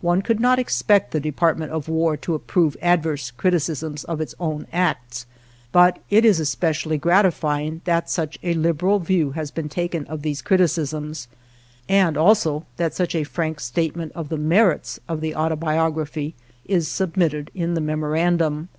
One could not expect the Department of War to approve adverse criticisms of its own acts, but it is especially gratifying that such a liberal view has been taken of these criticisms, and also that such a frank state ment of the merits of the Autobiography is submitted in the memorandum.